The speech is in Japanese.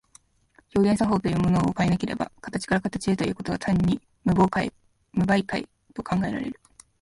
表現作用というものを考えなければ、形から形へということは単に無媒介と考えられる。